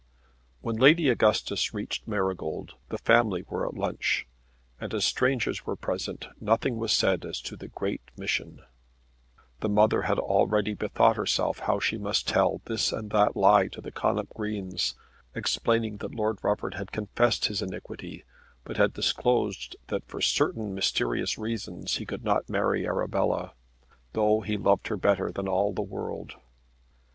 When Lady Augustus reached Marygold the family were at lunch, and as strangers were present nothing was said as to the great mission. The mother had already bethought herself how she must tell this and that lie to the Connop Greens, explaining that Lord Rufford had confessed his iniquity but had disclosed that, for certain mysterious reasons, he could not marry Arabella, though he loved her better than all the world.